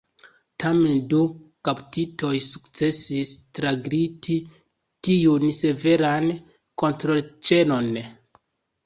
Tamen du kaptitoj sukcesis tragliti tiun severan kontrolĉenon.